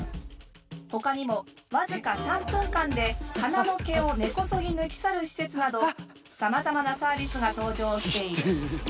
ほかにも僅か３分間で鼻の毛を根こそぎ抜き去る施設などさまざまなサービスが登場している。